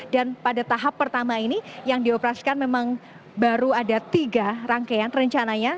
dan pada tahap pertama ini yang dioperasikan memang baru ada tiga rangkaian rencananya